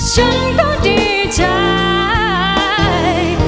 ฉันก็ดีใจ